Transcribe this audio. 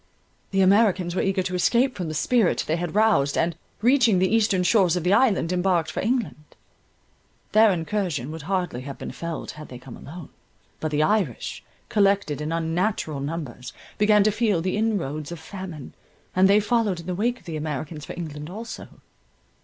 The Americans were eager to escape from the spirit they had roused, and, reaching the eastern shores of the island, embarked for England. Their incursion would hardly have been felt had they come alone; but the Irish, collected in unnatural numbers, began to feel the inroads of famine, and they followed in the wake of the Americans for England also.